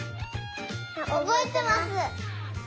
おぼえてます。